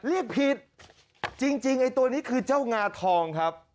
เรียกผิดจริงไอ้ตัวนี้คือเจ้างาทองครับ